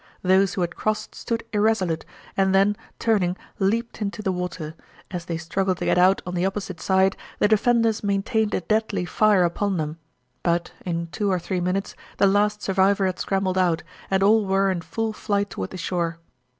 Those who had crossed stood irresolute, and then, turning, leaped into the water. As they struggled to get out on the opposite side the defenders maintained a deadly fire upon them, but, in two or three minutes, the last survivor had scrambled out, and all were in full flight toward the shore.